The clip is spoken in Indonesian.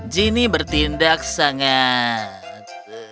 jeannie bertindak sangat